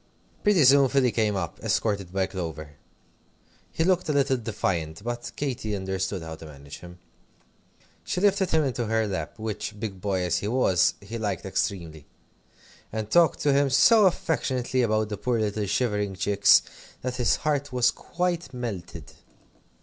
Pretty soon Philly came up, escorted by Clover. He looked a little defiant, but Katy understood how to manage him. She lifted him into her lap, which, big boy as he was, he liked extremely; and talked to him so affectionately about the poor little shivering chicks, that his heart was quite melted.